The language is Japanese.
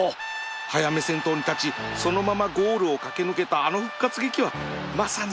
早め先頭に立ちそのままゴールを駆け抜けたあの復活劇はまさに奇跡